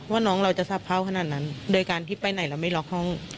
ว่าน้องเราจะสะเพ่าขนาดนั้นโดยการที่ไปไหนเราไม่ล็อกห้อง